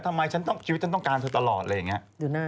ทำไมชีวิตฉันต้องการเธอตลอดอะไรอย่างนี้